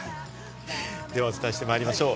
ではお伝えしてまいりましょう。